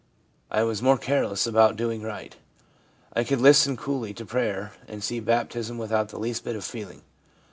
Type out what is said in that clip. I was more careless about doing right. I could listen coolly to prayer and see baptism without the least bit of feeling.